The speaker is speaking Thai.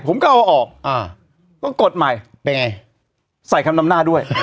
ผมก็เอาออกอ่าก็กดใหม่เป็นไงใส่คำนำหน้าด้วย